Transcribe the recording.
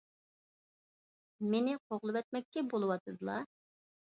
مېنى قوغلىۋەتمەكچى بولۇۋاتىدىلا.